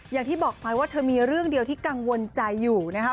อย่างที่บอกไปว่าเธอมีเรื่องเดียวที่กังวลใจอยู่นะครับ